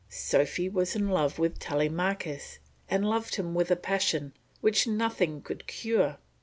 Sophy was in love with Telemachus, and loved him with a passion which nothing could cure.